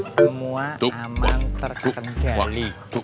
semua aman terkejali